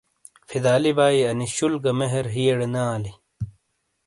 فداعلی بھائی، اَنی "شُول گہ مہر" ہیئڑے نے آلی۔